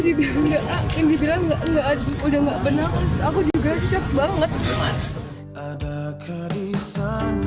dia masih ngomong sama temen temennya di discord gitu